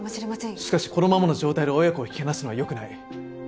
しかしこのままの状態で親子を引き離すのはよくない。